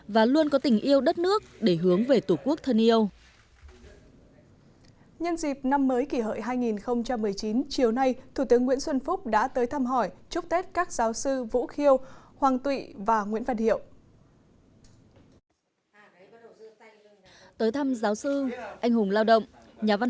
và luôn có tình yêu đất nước để hướng về tổ quốc thân thiện